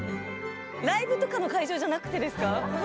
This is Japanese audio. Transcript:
ライブとかの会場じゃなくてですか？